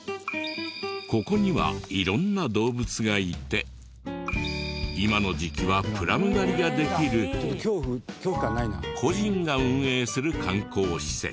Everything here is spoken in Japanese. ここには色んな動物がいて今の時期はプラム狩りができる個人が運営する観光施設。